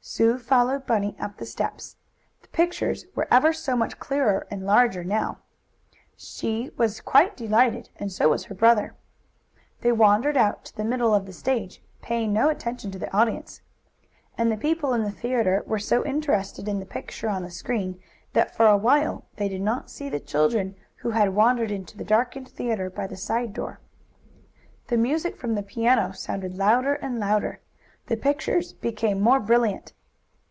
Sue followed Bunny up the steps. The pictures were ever so much clearer and larger now. She was quite delighted, and so was her brother. They wandered out to the middle of the stage, paying no attention to the audience. And the people in the theatre were so interested in the picture on the screen, that, for a while, they did not see the children who had wandered into the darkened theatre by the side door. The music from the piano sounded louder and louder. The pictures became more brilliant.